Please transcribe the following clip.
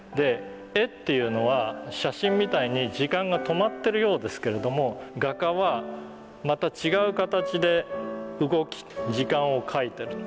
絵というのは写真みたいに時間が止まってるようですけれども画家はまた違う形で動き時間を描いてると。